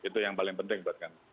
itu yang paling penting buat kami